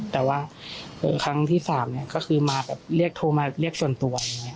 แต่ว่าครั้งที่๓ก็คือมาแบบเรียกโทรมาเรียกส่วนตัว